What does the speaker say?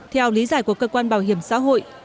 theo lý giải của cơ quan bảo hiểm xã hội